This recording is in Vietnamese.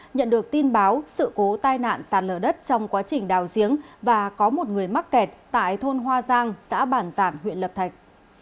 nhận được tin báo sự cố tai nạn sàn lở đất trong quá trình đào giếng và có một người mắc kẹt tại thôn hoa giang xã bản giản huyện lập thạch